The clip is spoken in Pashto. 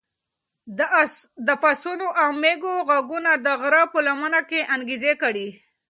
د پسونو او مېږو غږونه د غره په لمنه کې انګازې کړې.